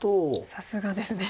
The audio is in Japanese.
さすがですね。